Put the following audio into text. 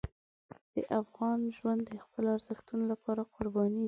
د افغان ژوند د خپلو ارزښتونو لپاره قرباني ده.